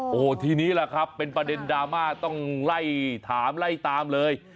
โอ้โหทีนี้แหละครับเป็นประเด็นดราม่าต้องไล่ถามไล่ตามเลย